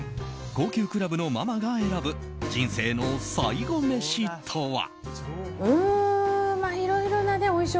高級クラブのママが選ぶ人生の最後メシとは？